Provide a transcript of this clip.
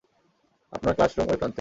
আপনার ক্লাসরুম ঐ প্রান্তে।